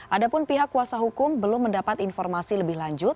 ada pun pihak kuasa hukum belum mendapat informasi lebih lanjut